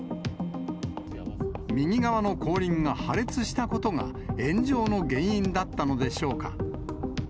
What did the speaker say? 右側の後輪が破裂したことが、炎上の原因だったのでしょうか。